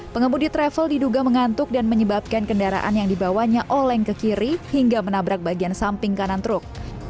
pengemudi travel diduga mengantuk dan menyebabkan kendaraan yang dibawanya oleng ke kiri hingga menabrak bagian samping kanan truk